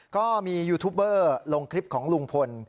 ก็มียูทูปเบอร์ลงคลิปของลุงพล